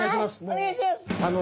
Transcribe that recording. お願いします！